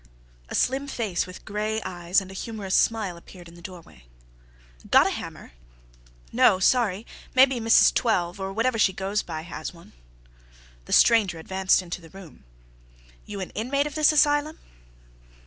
A slim face with gray eyes and a humorous smile appeared in the doorway. "Got a hammer?" "No—sorry. Maybe Mrs. Twelve, or whatever she goes by, has one." The stranger advanced into the room. "You an inmate of this asylum?"